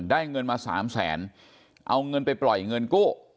เงินมาสามแสนเอาเงินไปปล่อยเงินกู้